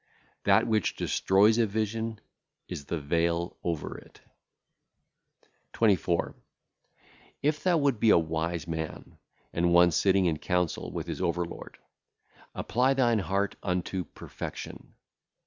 That which destroyeth a vision is the veil over it. 24. If thou wouldest be a wise man, and one sitting in council with his overlord, apply thine heart unto perfection.